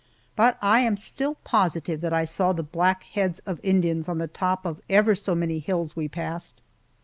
But I am still positive that I saw the black heads of Indians on the top of ever so many hills we passed.